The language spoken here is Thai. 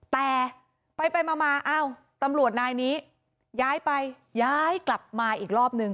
แต่ไปมาอ้าวตำรวจนายนี้ย้ายไปย้ายกลับมาอีกรอบนึง